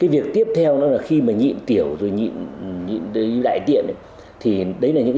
việc tiếp theo là khi nhịn tiểu nhịn đại tiện